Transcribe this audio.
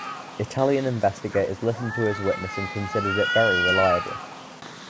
Italian investigators listened to his witness and considered it very reliabile.